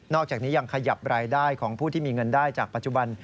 อกจากนี้ยังขยับรายได้ของผู้ที่มีเงินได้จากปัจจุบัน